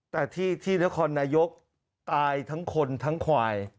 แต่ที่นครนายกตายทั้งคนทั้งควาย